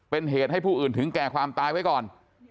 เป็นเหตุให้ผู้อื่นถึงแก่ความตายไว้ก่อน